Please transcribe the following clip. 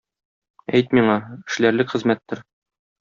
Әйт миңа, эшләрлек хезмәттер.